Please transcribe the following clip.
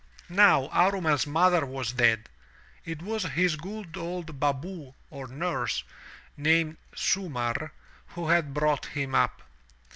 Now Aruman*s mother was dead. It was his good old baboo or nurse, named Sumarr, who had brought him up.